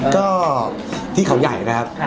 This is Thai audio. ก็ที่เขาใหญ่นะครับ